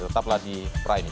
tetaplah di prime news